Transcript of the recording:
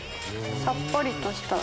さっぱりとした。